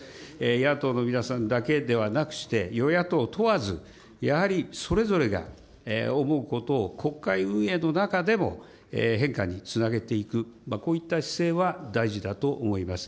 野党の皆さんだけではなくして、与野党問わず、やはりそれぞれが思うことを国会運営の中でも、変化につなげていく、こういった姿勢は大事だと思います。